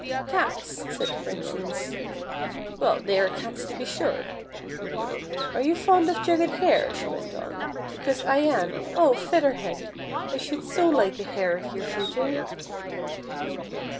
" Cats !" said the Princess, " well, they are cats to be sure. Are you fond of jugged hare .'" she went on; " because I am, and, oh ! Feather Head, I should so like a hare of \'Our shooting."